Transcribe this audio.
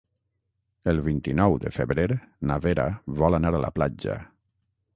El vint-i-nou de febrer na Vera vol anar a la platja.